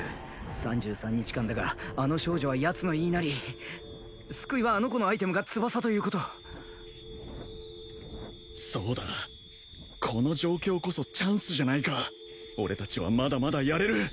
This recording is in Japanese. ３３日間だがあの少女はヤツの言いなり救いはあの子のアイテムが翼ということそうだこの状況こそチャンスじゃないか俺達はまだまだやれる！